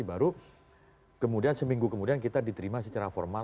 baru kemudian seminggu kemudian kita diterima secara formal